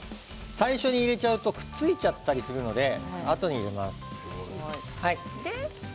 最初に入れるとくっついちゃったりするのであとで入れます。